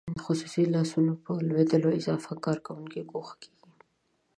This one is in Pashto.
خصوصي لاسونو ته په لوېدو اضافه کارکوونکي ګوښه کیږي.